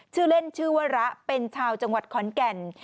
ชื่อเล่นชื่อวระเป็นชาวจังหวัดขอนแก่น